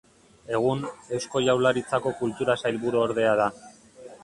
Egun, Eusko Jaurlaritzako Kultura Sailburuordea da.